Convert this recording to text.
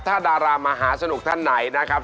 ถ้าดารามหาสนุกท่านไหนนะครับ